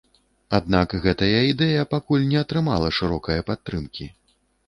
Аднак гэтая ідэя пакуль не атрымала шырокае падтрымкі.